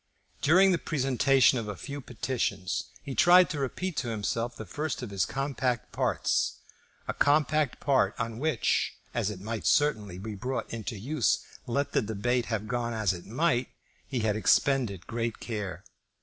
During the presentation of a few petitions he tried to repeat to himself the first of his compact parts, a compact part on which, as it might certainly be brought into use let the debate have gone as it might, he had expended great care.